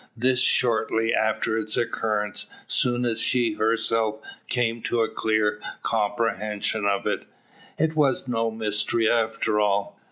This, shortly after its occurrence; soon as she herself came to a clear comprehension of it. It was no mystery after all.